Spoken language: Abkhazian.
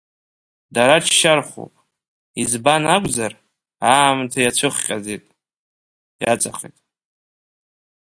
Дара ччархәуп, избан акәзар, аамҭа иацәыхҟьаӡеит, иаҵахеит.